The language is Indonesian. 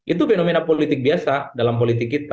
itu fenomena politik biasa dalam politik kita